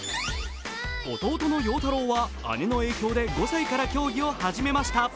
弟の陽太郎は、姉の影響で５歳から競技を始めました。